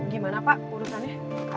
gimana pak urusannya